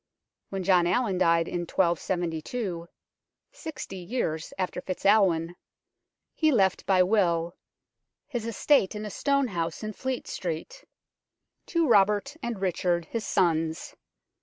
When John Allin died in 1272 sixty years after FitzAlwin he left by will " his estate in a stone house in Fletestrete " to Robert and Richard, his sons.